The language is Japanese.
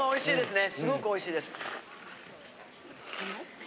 すごくおいしいです。